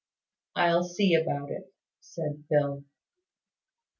"I'll see about it," said Phil.